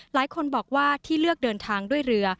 หลายคนบอกว่าที่เลือกเดินทางด้วยเรือ